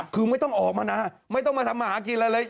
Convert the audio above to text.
คือไม่ต้องออกมานะไม่ต้องมาทำมาหากินอะไรเลย